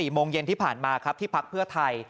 โมงเย็นที่ผ่านมาครับที่พักเพื่อไทย